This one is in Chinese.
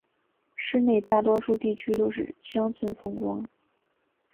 市内大多数地区都是乡村风光。